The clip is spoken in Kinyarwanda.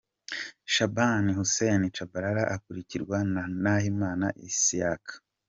Shaban Hussein Tchabalala akurikiwe na Nahimana Isiaq.